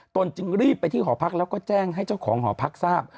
ตนจึงรีบไปหอพักแล้วแ่งให้ของหอพักทราบ